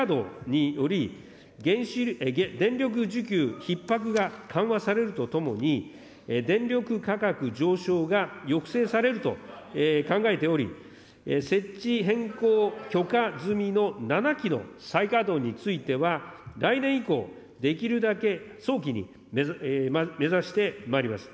また原子力発電所の再稼働により、電力需給ひっ迫が緩和されるとともに、電力価格上昇が抑制されると考えており、設置変更許可済の７基の再稼働については来年以降、できるだけ早期に目指してまいります。